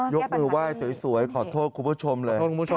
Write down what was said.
ยกมือว่ายสวยขอโทษครูผู้ชมเลย